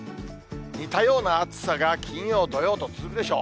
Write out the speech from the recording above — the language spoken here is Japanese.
似たような暑さが金曜、土曜と続くでしょう。